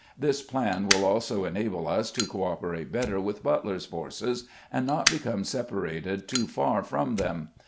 This plan will also enable us to co operate better with Butler's forces, and not become separated too far from them.